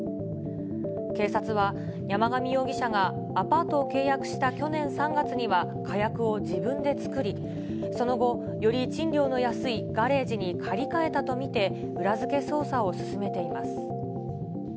警察は、山上容疑者がアパートを契約した去年３月には火薬を自分で作り、その後、より賃料の安いガレージに借り換えたと見て、裏付け捜査を進めています。